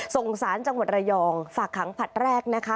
ส่งสารจังหวัดระยองฝากขังผลัดแรกนะคะ